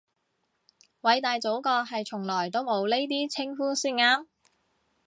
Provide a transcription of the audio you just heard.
偉大祖國係從來都冇呢啲稱呼先啱